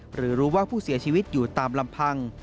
หรือว่าผู้เสียชีวิตอยู่ตามลำพัง